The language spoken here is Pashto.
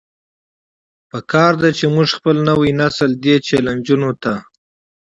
پکار ده چې مونږ خپل نوے نسل دې چيلنجونو ته